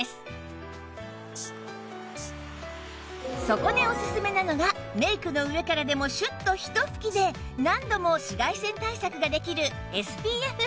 そこでおすすめなのがメイクの上からでもシュッとひと吹きで何度も紫外線対策ができる ＳＰＦ スプレー